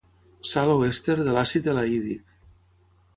Sal o èster de l'àcid elaídic.